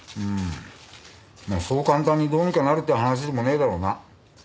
まあそう簡単にどうにかなるって話でもねえだろうな。